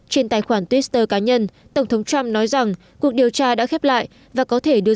trên tài khoản twitter cá nhân tổng thống trump nói rằng cuộc điều tra đã khép lại và có thể đưa